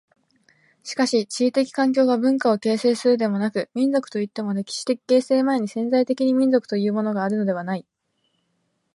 しかし地理的環境が文化を形成するのでもなく、民族といっても歴史的形成前に潜在的に民族というものがあるのではない。